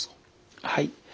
はい。